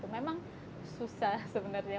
memang susah sebenarnya